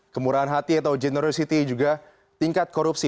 kemurahan hati atau generosity juga tingkat korupsi